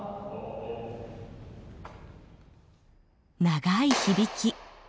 長い響き。